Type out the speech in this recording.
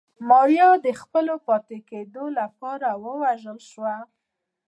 ماريا د خپلې پاتې کېدو لپاره وژړل.